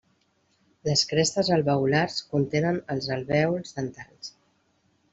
Les crestes alveolars contenen els alvèols dentals.